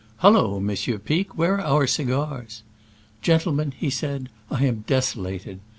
"Hullo! Monsieur Pic, where are our cigars?" "Gentlemen," he began, "I am deso lated!"